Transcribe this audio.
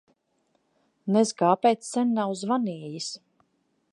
Nez kāpēc sen nav zvanījis.